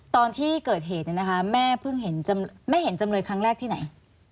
ตอนที่เกิดเหตุเนี่ยนะคะแม่เพิ่งเห็นแม่เห็นจำเลยครั้งแรกที่ไหน